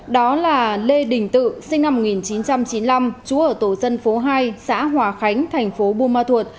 đó là lê đình tự sinh năm một nghìn chín trăm chín mươi năm chú ở tổ dân phố hai xã hòa khánh thành phố buôn ma thuột